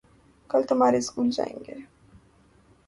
کل تمہارے سکول جائیں گے